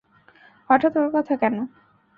হঠাৎ ওর কথা কেন?